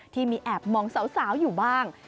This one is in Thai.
ที่มีแอบมองสาวอยู่บ้าง